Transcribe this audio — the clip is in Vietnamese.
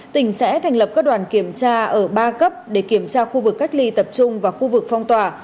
tỉnh sẽ thành lập các đoàn kiểm tra ở ba cấp để kiểm tra khu vực cách ly tập trung và khu vực phong tỏa